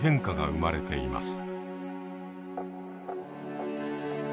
生まれています。